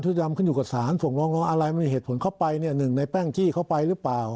ซึ่งทำคือยับสารฝงรองรองอะไรมันมีเหตุผลเข้าไปเนี่ยหนึ่งในแป้งจี้เข้าไปหรือเปล่า